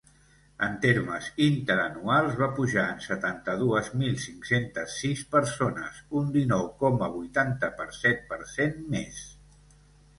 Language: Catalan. En termes interanuals va pujar en setanta-dues mil cinc-centes sis persones, un dinou coma vuitanta-set per cent més.